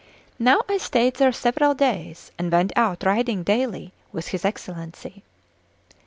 Now I stayed there several days, and went out riding daily with his Excellency.